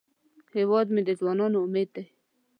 هیواد مې د ځوانانو امید دی